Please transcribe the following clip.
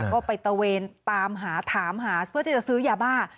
ก็ไปตะเวนตามหาถามหาเพื่อที่จะซื้อยาบ้า